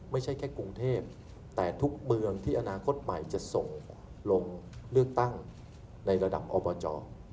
ไม่ใช่แค่กรุงเทพแต่ทุกเมืองที่อนาคตใหม่จะส่งลงเลือกตั้งในระดับอบจ